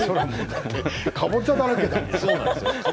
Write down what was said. かぼちゃだらけだ。